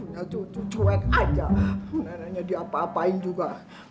punya cucu cuek aja neneknya diapa apain juga